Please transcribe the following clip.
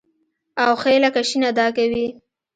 او ښ لکه ش ادا کوي.